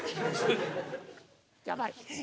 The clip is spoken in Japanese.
やばい。